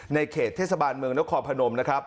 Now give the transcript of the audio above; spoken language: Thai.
เขตเทศบาลเมืองนครพนมนะครับ